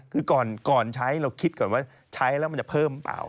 คือก่อนใช้เราคิดก่อนว่าใช้แล้วมันจะเพิ่มเปล่า